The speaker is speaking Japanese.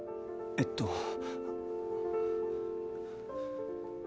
えっと。